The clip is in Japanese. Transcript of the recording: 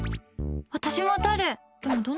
私も取る！